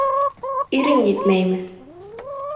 Ирең етмәйме?